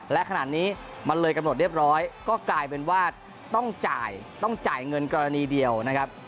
และขนาดนี้มันเลยกำหนดเรียบร้อยก็กลายเป็นว่าต้องจ่ายต้องจ่ายเงินกรณีเดียวนะครับ